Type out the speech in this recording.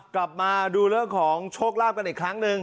กลับมาดูเรื่องของโชคลาภกันอีกครั้งหนึ่ง